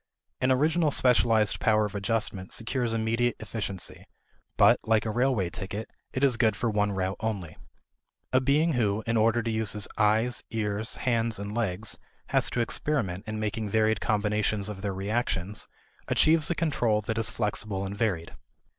An original specialized power of adjustment secures immediate efficiency, but, like a railway ticket, it is good for one route only. A being who, in order to use his eyes, ears, hands, and legs, has to experiment in making varied combinations of their reactions, achieves a control that is flexible and varied.